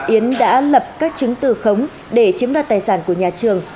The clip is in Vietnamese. yến đã lập các chứng từ khống để chiếm đoạt tài sản của nhà trường